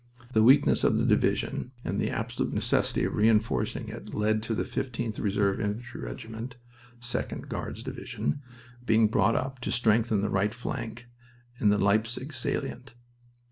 The weakness of the division and the absolute necessity of reinforcing it led to the 15th Reserve Infantry Regiment (2d Guards Division) being brought up to strengthen the right flank in the Leipzig salient.